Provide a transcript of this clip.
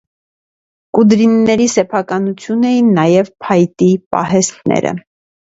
Կուդրինների սեփականություն էին նաև փայտի պահեստներ։